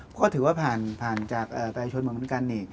ก็ถือว่าผ่านจากไปชนเหมือนกัน